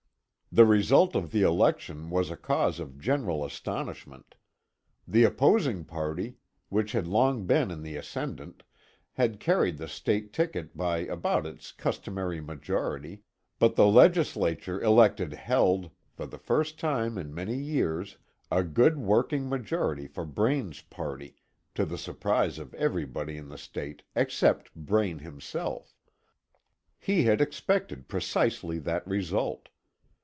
The result of the election was a cause of general astonishment. The opposing party, which had long been in the ascendant, had carried the State ticket by about its customary majority, but the Legislature elected held for the first time in many years a good working majority for Braine's party, to the surprise of everybody in the State except Braine himself. He had expected precisely that result.